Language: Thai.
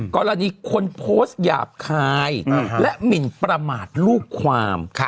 กรณีคนโพสต์หยาบคายและหมินประมาทลูกความ